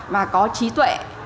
và có trí tuệ